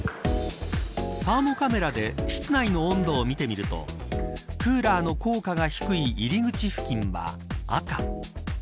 サーモカメラで室内の温度を見てみるとクーラーの効果が低い入り口付近は赤。